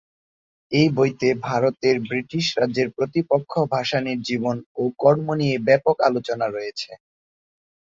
এ বইতে ভারতের ব্রিটিশ রাজ্যের প্রতিপক্ষ ভাসানীর জীবন ও কর্ম নিয়ে ব্যপক আলোচনা রয়েছে।